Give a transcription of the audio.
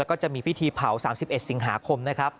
ก็จะมีพิธีเผา๓๑สิงหาคมนะครับ